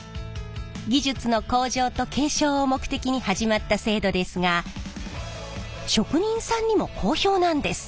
技術の向上と継承を目的に始まった制度ですが職人さんにも好評なんです。